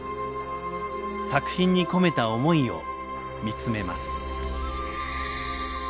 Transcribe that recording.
作品に込めた思いを見つめます。